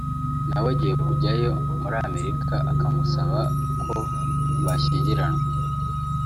nawe agiye kujyayo muri Amerika akamusaba ko bashyingiranwa